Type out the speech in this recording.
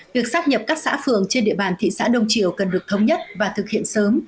việc sắp nhập các xã phường trên địa bàn thị xã đông triều cần được thống nhất và thực hiện sớm